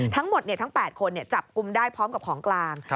ทั้งหมดทั้ง๘คนจับกลุ่มได้พร้อมกับของกลาง